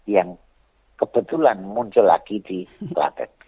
yang kebetulan muncul lagi di klaten